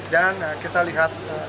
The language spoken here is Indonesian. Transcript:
dan kita lihat sebagainya